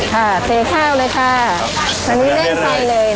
ค่ะเตรียมข้าวเลยค่ะสมือเร่งไฟเลย